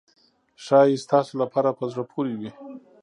ښایي ستاسو لپاره په زړه پورې وي.